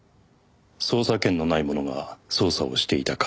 捜査権のない者が捜査をしていた廉で。